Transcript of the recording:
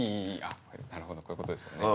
なるほどこういうことですよね？